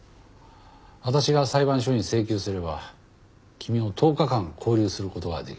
私が裁判所に請求すれば君を１０日間勾留する事ができる。